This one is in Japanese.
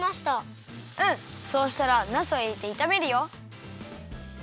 うんそうしたらなすをいれていためるよ。